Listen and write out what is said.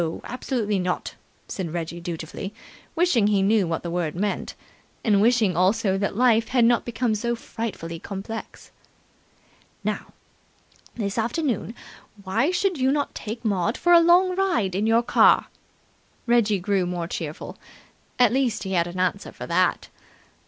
Absolutely not!" said Reggie dutifully, wishing he knew what the word meant, and wishing also that life had not become so frightfully complex. "Now, this afternoon, why should you not take Maud for a long ride in your car?" Reggie grew more cheerful. At least he had an answer for that.